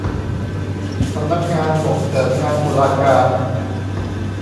สำนักงานส่งเสริมงานตุลาการ